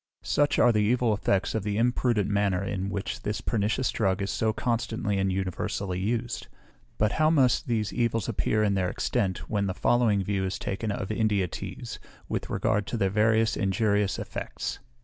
Such are the evil effects of the imprudent manner in which this pernicious drug is so constantly and universally used. But how must these evils appear in their extent, when the following view is taken of India teas, with regard to their variety of injurious EFFECTS.